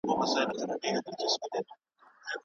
عام او عصري خلک پرې پوهېږي.